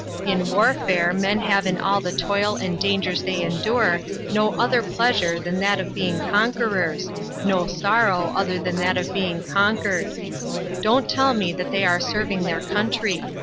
In warfare men have in all the toil and dangers they endure no other pleasure than that of being conquerors, no sorrow other than that of being conquered. Don't tell me that they are serving their country.